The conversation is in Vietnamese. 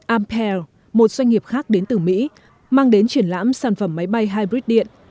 ampere một doanh nghiệp khác đến từ mỹ mang đến triển lãm sản phẩm máy bay hybrid điện